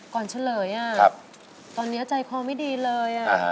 ก่อนเฉลยตอนนี้ใจคล้องไม่ดีเลย